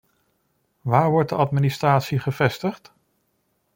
Waar wordt de administratie gevestigd?